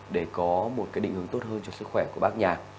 để có một cái định hướng tốt hơn cho sức khỏe của bác nhà